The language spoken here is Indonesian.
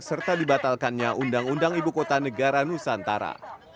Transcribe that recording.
serta dibatalkannya undang undang ibu kota negara nusantara